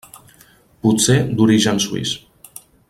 Potser d'origen suís.